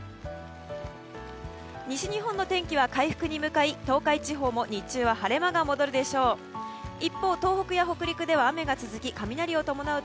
西日本の天気は回復に向かい東海地方も日中は晴れ間が戻るでしょう。